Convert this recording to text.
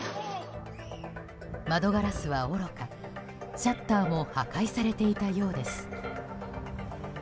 窓ガラスはおろかシャッターも破壊されていたようです。